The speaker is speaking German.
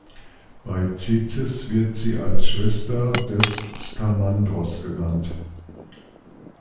Bei Tzetzes wird sie als Schwester des Skamandros genannt.